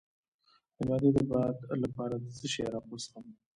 د معدې د باد لپاره د څه شي عرق وڅښم؟